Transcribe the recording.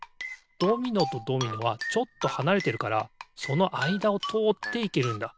ドミノとドミノはちょっとはなれてるからそのあいだをとおっていけるんだ。